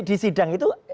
di sidang itu